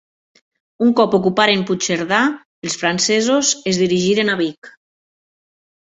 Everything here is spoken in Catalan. Un cop ocuparen Puigcerdà, els francesos es dirigiren a Vic.